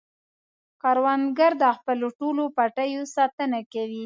کروندګر د خپلو ټولو پټیو ساتنه کوي